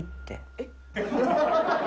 えっ？